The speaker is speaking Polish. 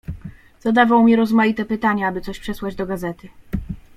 "Zadawał mi rozmaite pytania, aby coś przesłać do gazety."